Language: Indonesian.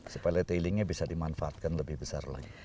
supaya tailingnya bisa dimanfaatkan lebih besar lagi